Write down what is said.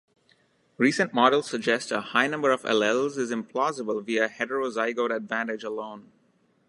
Recent models suggest a high number of alleles is implausible via heterozygote advantage alone.